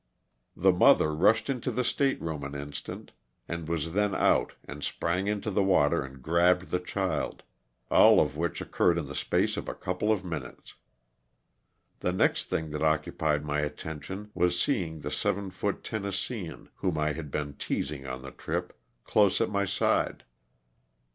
The mother rushed into the 260 LOSS OF THE SULTANA. state room an instant and was then out and sprang into the water and grabbed the child — all of which occurred in the space of a couple of minutes. The next thing that occupied my attention was seeing the seven foot Tennesseean, whom I had been teasing on the trip, close at my side.